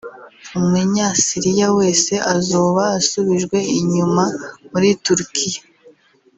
umunya Syria wese azoba asubijwe inyuma muri Turkiya